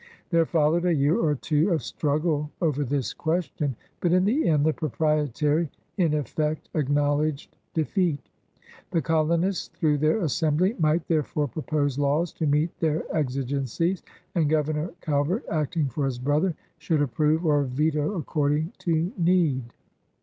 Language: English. There followed a year or two of struggle over this question, but in the end the Proprietary in effect acknowledged defeat. The colonists, through their Assembly, might thereafter propose laws to meet their exigencies, and Governor Cal vert, acting for his brother, should approve or veto according to need.